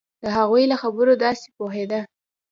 د هغوی له خبرو داسې پوهېده.